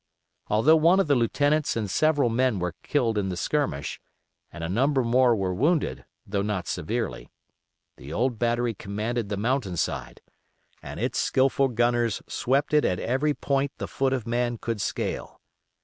Although one of the lieutenants and several men were killed in the skirmish, and a number more were wounded, though not severely, the old battery commanded the mountain side, and its skilful gunners swept it at every point the foot of man could scale.